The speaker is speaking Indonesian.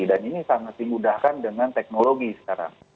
dan ini sangat dimudahkan dengan teknologi sekarang